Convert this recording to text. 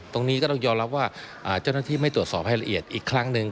ตรงนี้ก็ต้องยอมรับว่าเจ้าหน้าที่ไม่ตรวจสอบให้ละเอียดอีกครั้งหนึ่ง